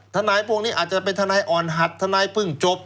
ทนายพวกนี้อาจจะเป็นทนายอ่อนหัดทนายเพิ่งจบ